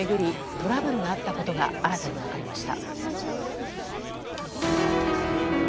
トラブルがあったことが新たに分かりました。